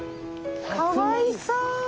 かわいそう。